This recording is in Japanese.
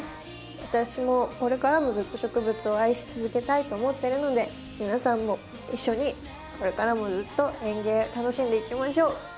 私もこれからもずっと植物を愛し続けたいと思ってるので皆さんも一緒にこれからもずっと園芸楽しんでいきましょう。